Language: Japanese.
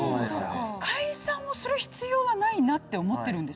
解散をする必要はないなって思ってるんですよ。